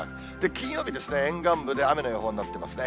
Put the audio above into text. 金曜日ですね、沿岸部で雨の予報になってますね。